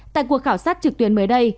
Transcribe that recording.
tại cuộc khảo sát trực tuyến mới đây